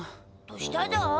どうしただ？